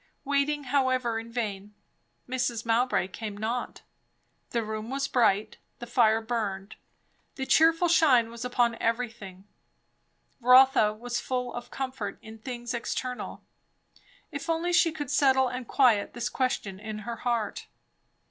Waiting however in vain. Mrs. Mowbray came not. The room was bright; the fire burned; the cheerful shine was upon everything; Rotha was full of comfort in things external; if she only could settle and quiet this question in her heart.